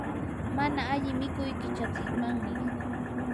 mana alli mikuy qichatsimanmi.